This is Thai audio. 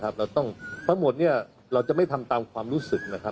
เพราะหมดเนี่ยเราจะไม่ตามรู้สึกนะครับ